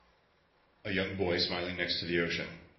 A young boy smiling next to the ocean.